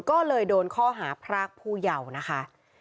ก็เลยโดนข้อหาพรากผู้เยาว์นะคะ